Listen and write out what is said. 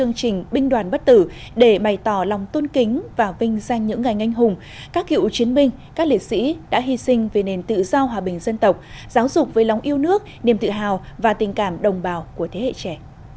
trong chương trình binh đoàn bất tử để bày tỏ lòng tôn kính và vinh danh những ngày anh hùng các cựu chiến binh các liệt sĩ đã hy sinh về nền tự do hòa bình dân tộc giáo dục với lòng yêu nước niềm tự hào và tình cảm đồng bào của thế hệ trẻ